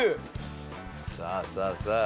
さあさあさあ